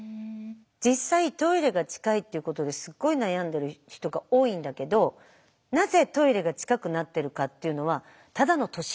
実際トイレが近いっていうことですごい悩んでる人が多いんだけどなぜトイレが近くなってるかっていうのは「ただの年？」